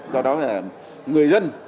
do đó là người dân